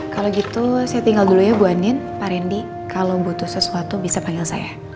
kalau gitu saya tinggal dulu ya bu anin pak randy kalau butuh sesuatu bisa panggil saya